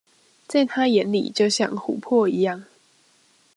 在他眼裡就像琥珀一樣